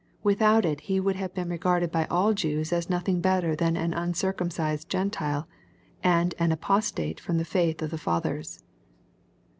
Without it He would have been regarded by all Jews as nothing better than an uncircumcised G entile, and an apostate from the faith of the fathers.